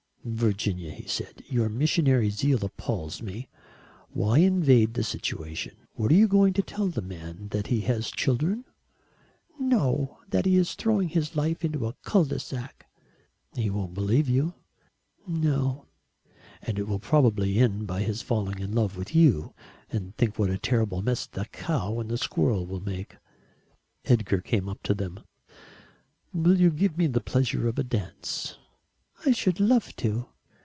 "Virginia," he said, "your missionary zeal appals me. Why invade the situation? What are you going to tell the man? That he has children?" "No. That he is throwing his life into a cul de sac." "He won't believe you." "No." "And it will probably end by his falling in love with you and think what a terrible mess the cow and the squirrel will make." Edgar came up to them. "Will you give me the pleasure of a dance?" "I should love to."